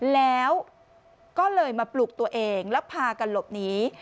แล้วก็เลยมาปลุกตัวเองแล้วพากันหลบหนี